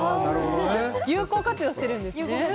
有効活用しているんですね。